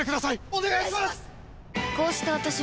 お願いします！